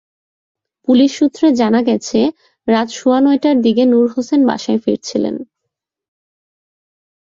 Police সূত্রে জানা গেছে, রাত সোয়া নয়টার দিকে নুর হোসেন বাসায় ফিরছিলেন।